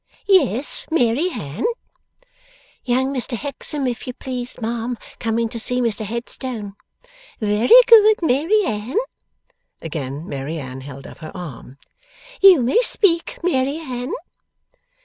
'Yes, Mary Anne?' 'Young Mr Hexam, if you please, ma'am, coming to see Mr Headstone.' 'Very good, Mary Anne.' Again Mary Anne held up her arm. 'You may speak, Mary Anne?